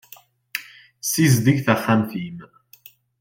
Sizdeg taxxamt-im.